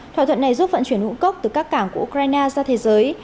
thỏa thuận này giúp vận chuyển ngũ cốc từ các cảng của ukraine ra thế giới